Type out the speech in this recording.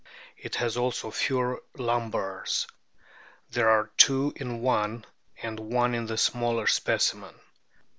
It has also fewer lumbars ; there are two in one and one in the smaller specimen.